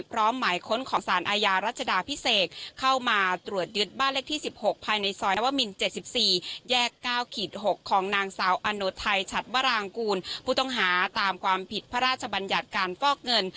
พร้อมหมายค้นของสารอาญารัชดาพิเศษเข้ามาตรวจยึดบ้านเลขที่๑๖ภายในซอยนวมิน๗๔แยก๙๖ของนางสาวอโนไทยฉัดวรางกูลผู้ต้องหาตามความผิดพระราชบัญญัติการฟอกเงิน